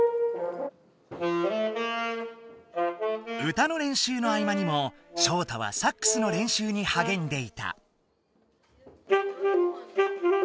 歌の練習の合間にもショウタはサックスの練習にはげんでいた。